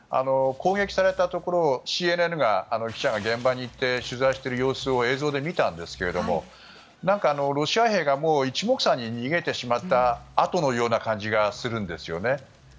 攻撃されたところＣＮＮの記者が現場に行って取材している様子を映像で見たんですがロシア兵が一目散に逃げてしまったあとのような感じがするんですよね。